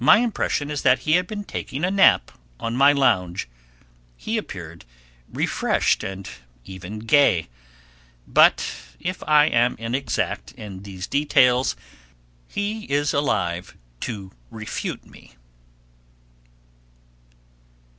My impression is that he had been taking a nap on my lounge; he appeared refreshed and even gay; but if I am inexact in these details he is alive to refute me.